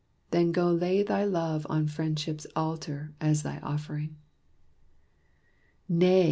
Then go lay thy love On Friendship's altar, as thy offering." "Nay!"